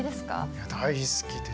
いや大好きです。